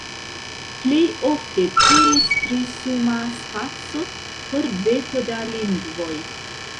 Plej ofte temis pri suma spaco por deko da lingvoj.